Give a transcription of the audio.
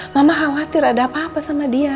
mama khawatir ada apa apa sama dia